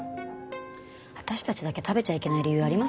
私たちだけ食べちゃいけない理由ありますか？